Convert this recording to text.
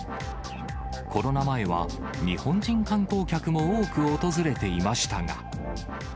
コロナ前は、日本人観光客も多く訪れていましたが。